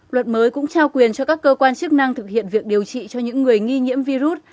luật mới cũng trao quyền cho các cơ quan chức năng thực hiện việc điều trị cho những người nghi nhiễm virus